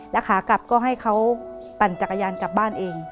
แล้วขากลับก็ให้เขาปั่นจักรยานกลับบ้านเอง